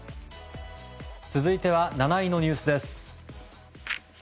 続いては７位のニュースです。